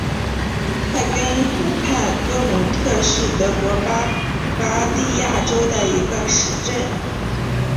泰根湖畔格蒙特是德国巴伐利亚州的一个市镇。